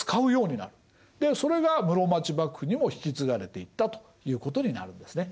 でそれが室町幕府にも引き継がれていったということになるんですね。